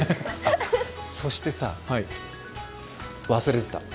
そしてさ、忘れてた。